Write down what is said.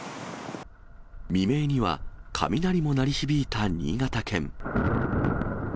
未明には雷も鳴り響いた新潟県。